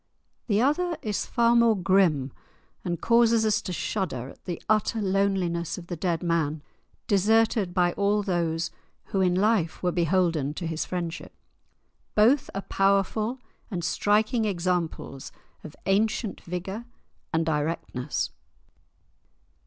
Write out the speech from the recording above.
The other is far more grim, and causes us to shudder at the utter loneliness of the dead man, deserted by all those who in life were beholden to his friendship. Both are powerful and striking examples of ancient vigour and directness.